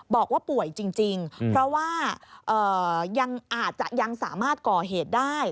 บอกว่าป่วยจริงเพราะว่ายังอาจจะยังสามารถก่อเหตุได้